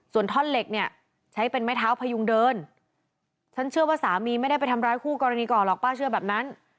ส่วนท่อนเหล็กเนี่ยใช้เป็นไม้เท้าพยุงเดินฉันเชื่อว่าสามีไม่ได้ไปทำร้ายคู่กรณีก่อนหรอกป้าเชื่อแบบนั้น